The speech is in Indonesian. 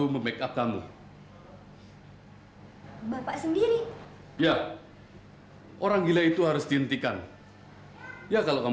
pembunuh menangis itu pembunuh yang sangat bijak